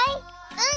うん！